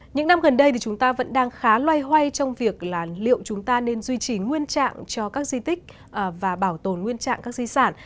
những năm gần đây thì chúng ta vẫn đang khá loay hoay trong việc là liệu chúng ta nên duy trì nguyên trạng cho các di tích và bảo tồn nguyên trạng các di sản